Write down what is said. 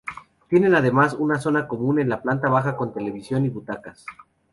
Tienen además una zona común en la planta baja con televisión y butacas.